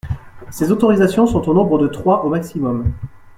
Ces autorisations sont au nombre de trois au maximum.